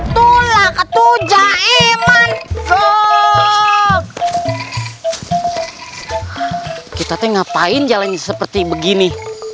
tuh lah ketuja emang sook kita ngapain jalan seperti begini